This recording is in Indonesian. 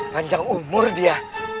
panjang umur dia